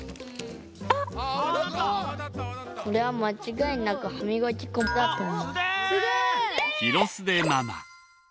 これはまちがいなく歯みがき粉だとおもう。